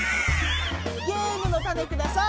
ゲームのたねください！